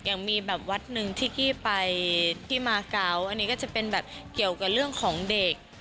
ยังมีแบบวัดหนึ่งที่กี้ไปที่มาเกาะอันนี้ก็จะเป็นแบบเกี่ยวกับเรื่องของเด็ก